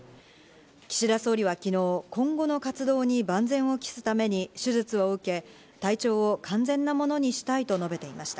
岸田総理はきのう、今後の活動に万全を期すために手術を受け、体調を完全なものにしたいと述べていました。